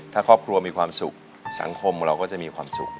ถ้าครอบครัวมีความสุขสังคมเราก็จะมีความสุข